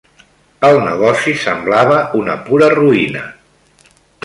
El negoci semblava una pura ruïna.